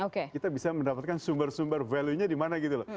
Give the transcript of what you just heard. kita bisa mendapatkan sumber sumber value nya di mana gitu loh